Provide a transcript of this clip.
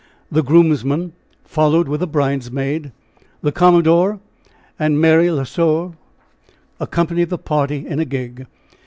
The groomsman followed with the bridesmaid. The commodore and Mary L'Oiseau accompanied the party in a gig.